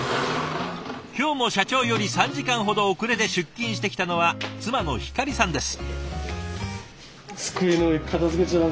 今日も社長より３時間ほど遅れて出勤してきたのは妻の光さんです。